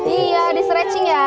iya distretching ya